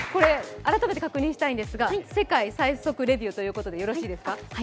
改めて確認したいんですが世界最速レビューということで間違いないですか？